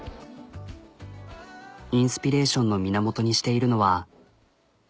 インスピレーションの源にしているのは。